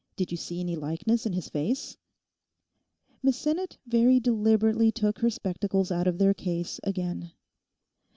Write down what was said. Did you see any likeness in his face?' Miss Sinnet very deliberately took her spectacles out of their case again.